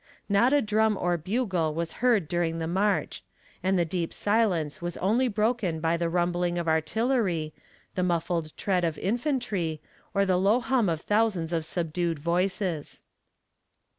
Not a drum or bugle was heard during the march, and the deep silence was only broken by the rumbling of artillery, the muffled tread of infantry, or the low hum of thousands of subdued voices.